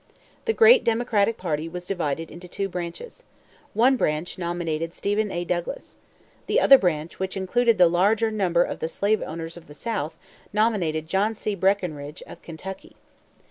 The great Democratic Party was divided into two branches. One branch nominated Stephen A. Douglas. The other branch, which included the larger number of the slave owners of the South, nominated John C. Breckinridge, of Kentucky.